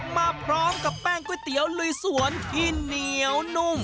มาพร้อมกับแป้งก๋วยเตี๋ยวลุยสวนที่เหนียวนุ่ม